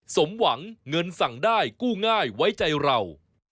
สมหวังเงินสั่งได้กู้ง่ายไว้ใจเรา